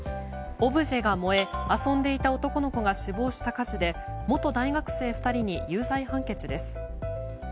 オブジェが燃え、遊んでいた男の子が死亡した火事で元大学生２人に有罪判決です。